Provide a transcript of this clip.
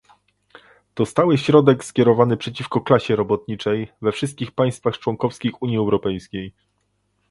To stały środek skierowany przeciwko klasie robotniczej we wszystkich państwach członkowskich Unii Europejskiej